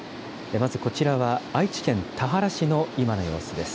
まずこちらは、愛知県田原市の今の様子です。